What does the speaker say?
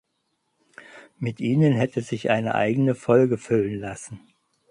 Mit ihnen hätte sich eine eigene Folge füllen lassen.